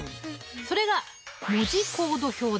それが文字コード表だ。